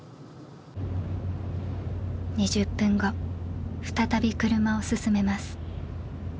２０分後再び車を進めます。